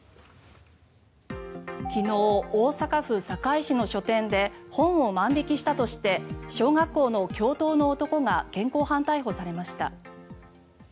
昨日、大阪府堺市の書店で本を万引きしたとして小学校の教頭の男が現行犯逮捕されました。